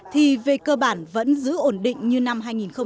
thì về cơ bản vẫn giữ ổn định như năm hai nghìn một mươi ba